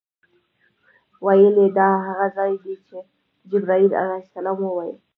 ویل یې دا هغه ځای دی چې جبرائیل علیه السلام وویل.